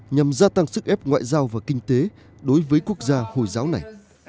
nhằm gia tăng sức ép ngoại giao và kinh tế đối với quốc gia hồi giáo này